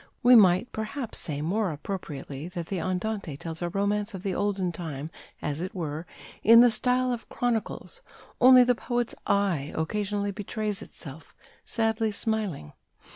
We might perhaps say more appropriately that the Andante tells a romance of the olden time, as it were, in the style of Chronicles only the poet's eye occasionally betrays itself, sadly smiling.